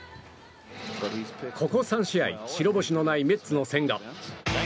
ここ３試合、白星のないメッツの千賀。